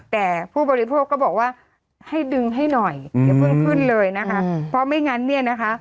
แต่ผู้บริโภคก็บอกว่าให้ดึงให้หน่อยอย่าเพิ่งขึ้นเลยนะคะเพราะไม่งั้นเนี่ยนะคะ